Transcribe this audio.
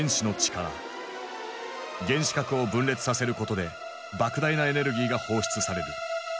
原子核を分裂させることでばく大なエネルギーが放出される。